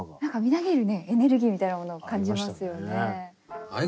何かみなぎるねエネルギーみたいなものを感じますよね。